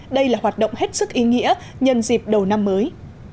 đây là hoạt động hết sức ý nghĩa nhân dịp đầu năm mới